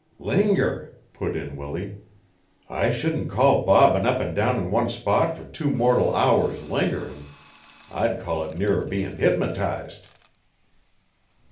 "Linger!" put in Willie. "I shouldn't call bobbin' up an' down in one spot fur two mortal hours lingerin'. I'd call it nearer bein' hypnotized."